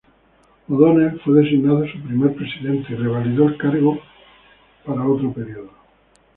O’Donnell fue designado su primer presidente y revalidó el cargo por otro período.